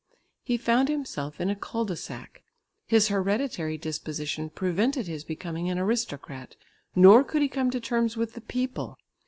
He found himself in a cul de sac. His hereditary disposition prevented his becoming an aristocrat, nor could he come to terms with the people.